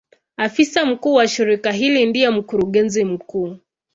Afisa mkuu wa shirika hili ndiye Mkurugenzi mkuu.